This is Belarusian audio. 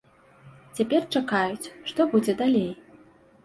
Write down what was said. Цяпер чакаюць, што будзе далей.